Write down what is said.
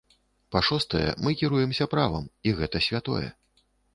Па-шостае, мы кіруемся правам, і гэта святое.